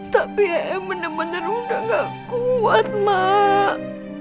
tapi emu bener bener udah gak kuat mak